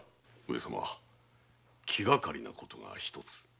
上様気がかりな事が一つ。